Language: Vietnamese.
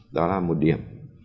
đó là một điểm